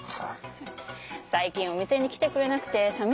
最近お店に来てくれなくてさみしくてさ。